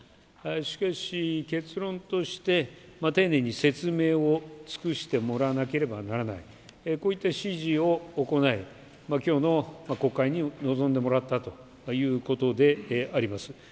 しかし、結論として、丁寧に説明を尽くしてもらわなければならない、こういった指示を行い、きょうの国会に臨んでもらったということであります。